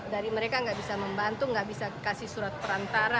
dari mereka nggak bisa membantu nggak bisa kasih surat perantara